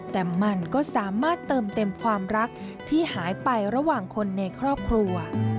แต่มันก็สามารถเติมเต็มความรักที่หายไประหว่างคนในครอบครัว